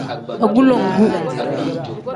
Agulongu.